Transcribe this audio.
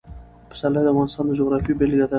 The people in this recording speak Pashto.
پسرلی د افغانستان د جغرافیې بېلګه ده.